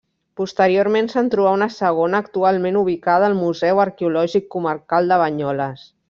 Posteriorment se'n trobà una segona actualment ubicada al Museu Arqueològic Comarcal de Banyoles.